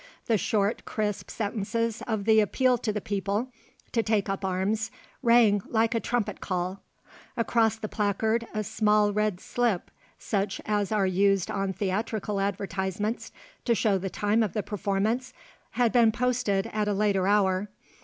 The short crisp sentences of the appeal to the people to take up arms rang like a trumpet call. Across the placard a small red slip, such as are used on theatrical advertisements to show the time of the performance, had been posted at a later hour.